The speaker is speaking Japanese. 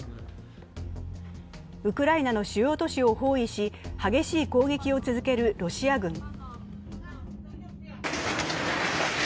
ウクライナの主要都市を包囲し、激しい攻撃を続けるロシア軍。